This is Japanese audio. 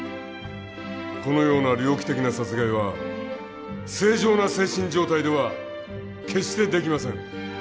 このような猟奇的な殺害は正常な精神状態では決してできません。